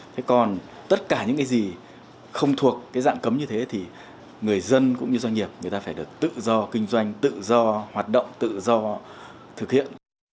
thế còn tất cả những cái gì không thuộc cái dạng cấm như thế thì người dân cũng như doanh nghiệp người ta phải được tự do kinh doanh tự do hoạt động tự do thực hiện